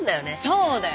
そうだよ。